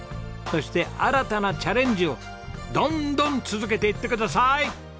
そして新たなチャレンジをどんどん続けていってください。